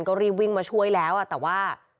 ก็รีบวิ่งมาช่วยแล้วแต่ว่า